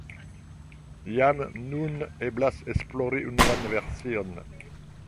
Jam nun eblas esplori unuan version.